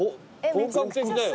本格的だよ。